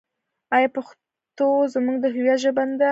آیا پښتو زموږ د هویت ژبه نه ده؟